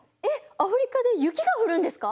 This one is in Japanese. アフリカで雪が降るんですか！？